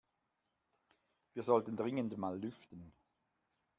Wir sollten dringend mal lüften.